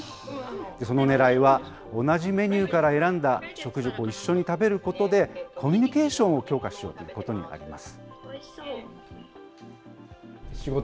そのねらいは、同じメニューから選んだ食事を一緒に食べることでコミュニケーションを強化しようということになります。